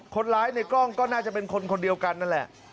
ในกล้องก็น่าจะเป็นคนคนเดียวกันนั่นแหละ